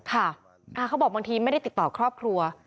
เขาบอกบางทีไม่ได้ติดต่อครอบครัว